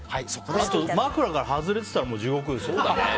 あと、枕から外れてたら地獄ですよね。